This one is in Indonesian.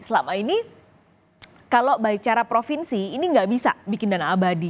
selama ini kalau bicara provinsi ini gak bisa bikin dana abadi